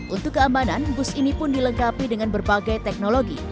untuk keamanan bus ini pun dilengkapi dengan berbagai teknologi